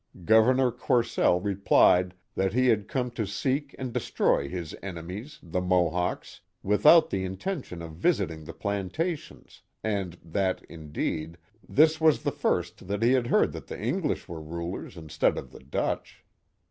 *' Governor Courcelle replied that he had come to seek and destroy his enemies, the Mohawks, without the intention of visiting the plantations, and that, indeed, this was the first that he had heard that the English were rulers instead of the Dutch.